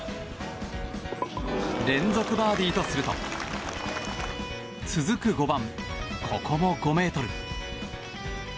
連続バーディーとすると続く５番、ここも５ｍ。